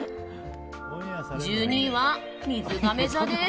１２位は、みずがめ座です。